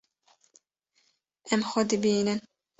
Ew xwe dibînin.